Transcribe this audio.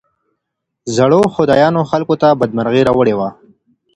زړو خدايانو خلګو ته بدمرغي راوړې وه.